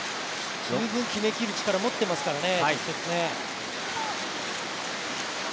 十分決めきる力を持っていますからね。